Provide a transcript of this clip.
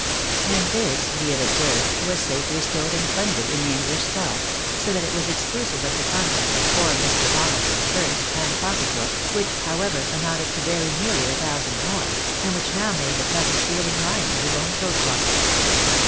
And this, be it observed, was safely stowed and funded in the English stocks, so that it was exclusive of the contents of poor Mr. E onaldson's purse and pocket book, which, however, amounted to very nearly a thousand more, and which now made the pleasant feeUng lining of his own coat pocket.